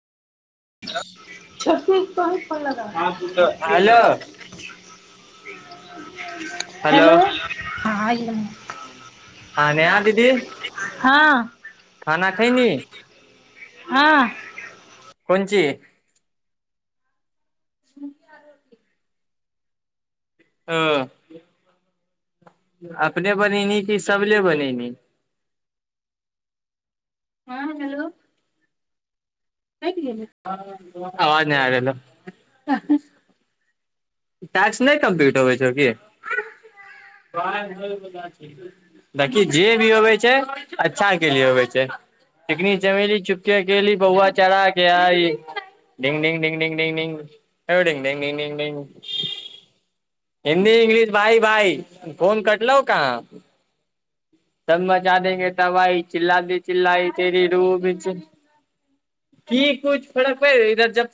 Hello! छोटकी के तोहीं फोन लगाहीं [unintelligible] हेलो हेलो! हँ हँ आइ हँ नेहा दीदी गेलौ। हँ। खाना खैलहीं? हँ। कोन चीज? [unintelligible] ओ। अपने बनैलहीं कि सब ले बनैलहीं? हँ हेलो! कटि गेलै। आवाज नै आ रहलौ। टास्क नहि कम्पलीट होवै छौ की? पानि होई वाला छै। देखि जे भी होबे छै अच्छा के लिए होबे छै। चिकनी चमेली चुपके अकेेली पौआ चढ़ा के आई। डिंग डिंग डिंग डिंग डिंग डिंग ओ डिंग डिंग डिंग डिंग डिंग। हिन्दी इंग्लिश भाइ भाइ फोन कटलौ कहाँ? तब मजा देहै तबाही, चिल्ला दे चिल्लाई तेरी रूह भी बीच की कुछ फड़क पड़ि इधर जब